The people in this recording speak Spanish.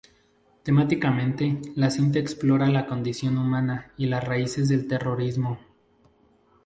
Temáticamente, la cinta explora la condición humana y las raíces del terrorismo.